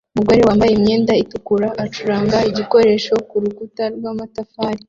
Umugore wambaye imyenda itukura acuranga igikoresho kurukuta rw'amatafari